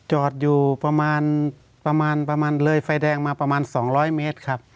จอดอยู่ประมาณประมาณเลยไฟแดงมาประมาณ๒๐๐เมตรครับ